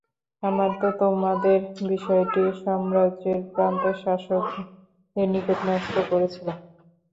আমরা তো তোমাদের বিষয়টি সাম্রাজ্যের প্রান্ত-শাসকদের নিকট ন্যস্ত করেছিলাম।